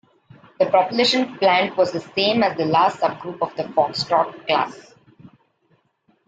The propulsion plant was the same as the last subgroup of the Foxtrot class.